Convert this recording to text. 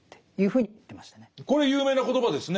これ有名な言葉ですね。